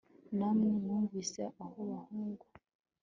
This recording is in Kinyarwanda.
Na mwe mwumvire aho bahungu